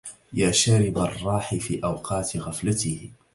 يا شارب الراح في أوقات غفلته